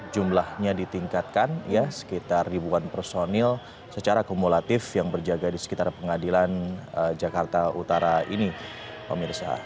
jumlahnya ditingkatkan ya sekitar ribuan personil secara kumulatif yang berjaga di sekitar pengadilan jakarta utara ini pemirsa